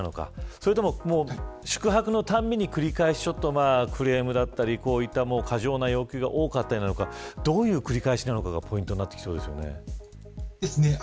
それとも宿泊のたびに繰り返しクレームだったり過剰な要求が多かったりということなのかどういう繰り返しなのかがポイントになりそうですよね。